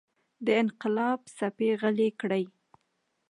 د انقلاب څپې غلې کړي.